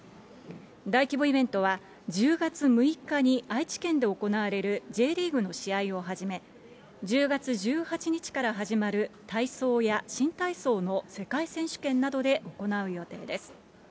大規模イベントは１０月６日に愛知県で行われるＪリーグの試合をはじめ、１０月１８日から始まる体操や新体操の世界選手権などで行う予定です。